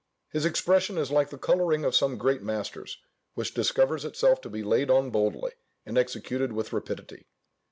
His expression is like the colouring of some great masters, which discovers itself to be laid on boldly, and executed with rapidity.